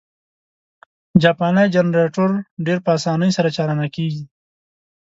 جاپانی جنرټور ډېر په اسانۍ سره چالانه کېږي.